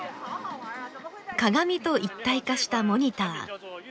鏡と一体化したモニター。